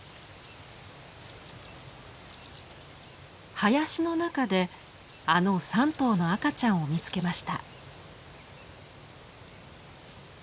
林の中であの３頭の赤ちゃんを見つけました。